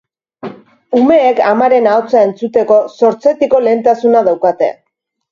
Umeek amaren ahotsa entzuteko sortzetiko lehentasuna daukate.